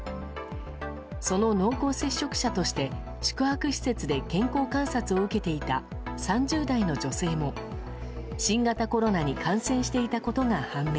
その濃厚接触者として宿泊施設で健康観察を受けていた３０代の女性も新型コロナに感染していたことが判明。